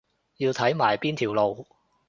要睇埋邊條路